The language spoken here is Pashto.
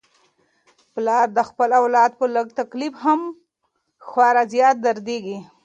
پلار د خپل اولاد په لږ تکلیف هم خورا زیات دردیږي.